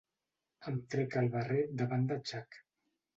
Em trec el barret davant de Chuck.